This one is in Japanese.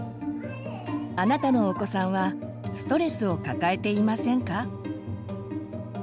あなたのお子さんはストレスを抱えていませんか？